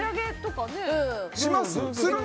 します？